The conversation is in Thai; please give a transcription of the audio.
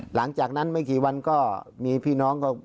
หลังจากนั้นไม่กี่วันก็มีพี่น้องก็